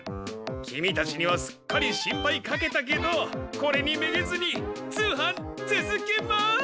キミたちにはすっかり心配かけたけどこれにめげずに通販つづけます！